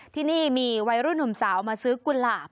ที่นี่มีวัยรุ่นหนุ่มสาวมาซื้อกุหลาบ